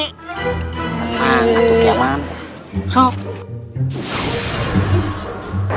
tepat banget tuh kiamat